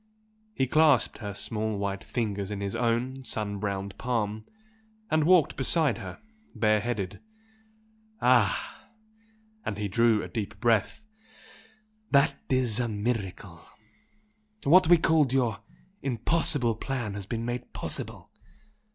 He clasped her small white fingers in his own sun browned palm and walked beside her bare headed. "Ah!" And he drew a deep breath "That is a miracle! What we called your 'impossible' plan has been made possible!